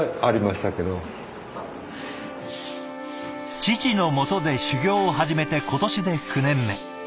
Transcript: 父の下で修業を始めて今年で９年目。